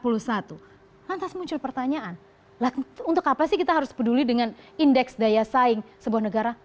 lantas muncul pertanyaan untuk apa sih kita harus peduli dengan indeks daya saing sebuah negara